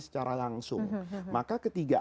secara langsung maka ketika